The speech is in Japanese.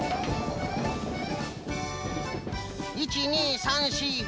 １２３４５。